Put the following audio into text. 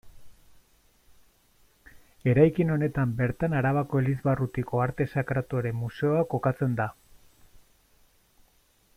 Eraikin honetan bertan Arabako Elizbarrutiko Arte Sakratuaren Museoa kokatzen da.